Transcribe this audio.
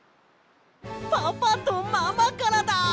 パパとママからだ！